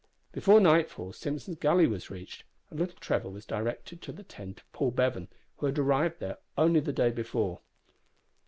Before nightfall Simpson's Gully was reached, and little Trevor was directed to the tent of Paul Bevan, who had arrived there only the day before.